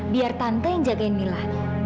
biar tante yang jagain mila